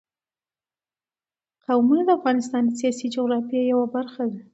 قومونه د افغانستان د سیاسي جغرافیه یوه برخه ده.